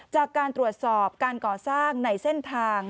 จากการตรวจสอบการก่อสร้างในเส้นทาง